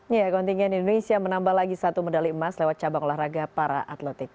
ya kontingen indonesia menambah lagi satu medali emas lewat cabang olahraga para atletik